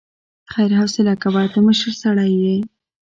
خير حوصله کوه، ته مشر سړی يې.